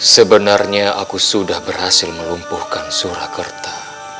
sebenarnya aku sudah berhasil melumpuhkan surakarta